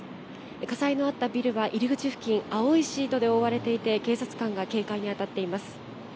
火災のあったビルは入り口付近、青いシートで覆われていて、警察官が警戒に当たっています。